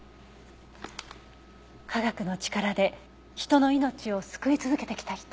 科学の力で人の命を救い続けてきた人。